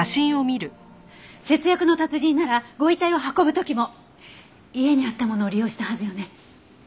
節約の達人ならご遺体を運ぶ時も家にあったものを利用したはずよね。